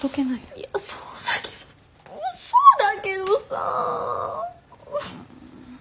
いやそうだけどそうだけどさ。